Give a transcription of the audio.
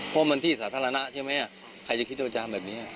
เพราะมันที่สาธารณะใช่ไหมใครจะคิดว่ามันจะทำแบบนี้